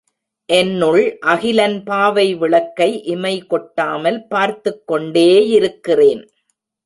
என்னுள் அகிலன் பாவை விளக்கை இமைகொட்டாமல் பார்த்துக் கொண்டேயிருக்கிறேன்.